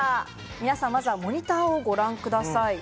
皆さん、まずはモニターをご覧ください。